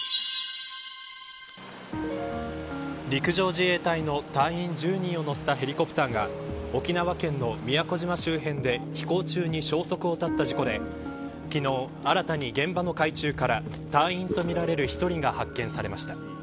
陸上自衛隊の隊員１０人を乗せたヘリコプターが沖縄県の宮古島周辺で飛行中に消息を絶った事故で昨日新たに現場の海中から隊員とみられる１人が発見されました。